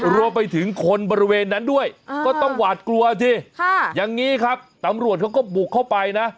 รวมไปถึงคนบริเวณนั้นด้วยก็ต้องหวาดกลัวสิอย่างนี้ครับตำรวจเขาก็บุกเข้าไปนะ